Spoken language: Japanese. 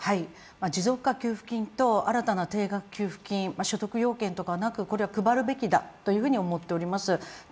持続化給付金と新たな定額給付金、所得要件ではなくこれは配るべきだと思います